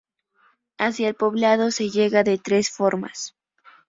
Hacia el poblado se llega de tres formas.